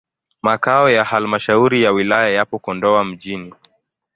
Makao ya halmashauri ya wilaya yapo Kondoa mjini.